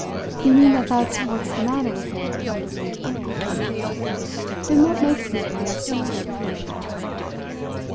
"You mean that that's what's the matter with her under her appearance ? Then what makes the appearance so extraordinary?"